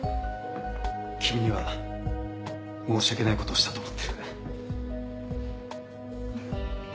君には申し訳ないことをしたと思ってふっ。